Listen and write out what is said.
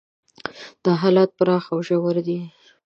دا حالات پراخ او ژور دي.